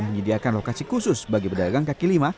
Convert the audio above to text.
menyediakan lokasi khusus bagi pedagang kaki lima